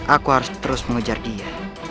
aku harus terus mengejar dia